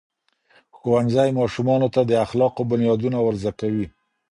ښوونځی ماشومانو ته د اخلاقو بنیادونه ورزده کوي.